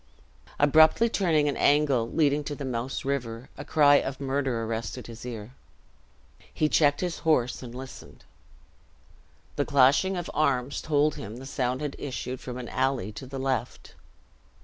Abruptly turning an angle leading to the Mouse River, a cry of murder arrested his ear. He checked his horse and listened. The clashing of arms told him the sound had issued from an alley to the left.